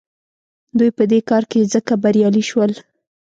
دوی په دې کار کې ځکه بریالي شول.